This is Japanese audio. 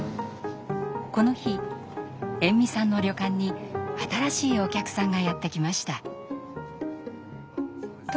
この日延味さんの旅館に新しいお客さんがやって来ました。